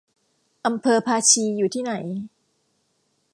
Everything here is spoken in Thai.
อำเภอภาชีอยู่ที่ไหน